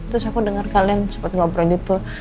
terus aku denger kalian sempet ngobrol gitu